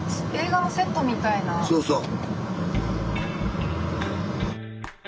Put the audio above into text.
そうそう。